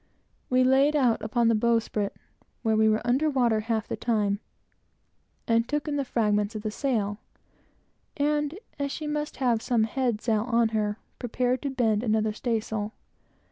We laid out upon the bowsprit, where we were under water half the time, and took in the fragments of the sail, and as she must have some head sail on her, prepared to bend another staysail.